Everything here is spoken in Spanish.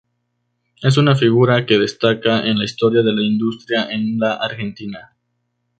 Es una figura que destaca en la historia de la industria en la Argentina.